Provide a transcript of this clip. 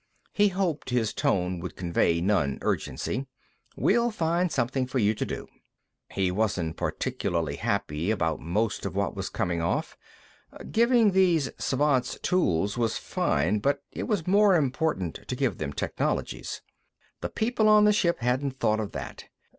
He hoped his tone would convey nonurgency. "We'll find something for you to do." He wasn't particularly happy about most of what was coming off. Giving these Svants tools was fine, but it was more important to give them technologies. The people on the ship hadn't thought of that.